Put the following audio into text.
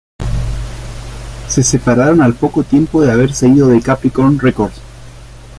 Se separaron al poco tiempo de haberse ido de Capricorn Records.